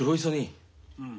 うん。